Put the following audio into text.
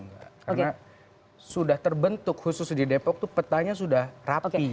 karena sudah terbentuk khusus di depok itu petanya sudah rapi